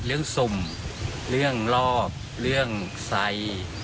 เรื่องสมเรื่องลอบเพื่อใส่